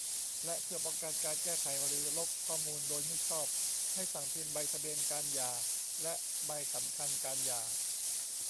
และเพื่อป้องกันการแก้ไขหรือลบข้อมูลโดยมิชอบ ให้สั่งพิมพ์ใบทะเบียนการหย่าและใบสำคัญการหย่า